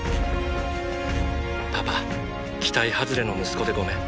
パパ期待はずれの息子でごめん。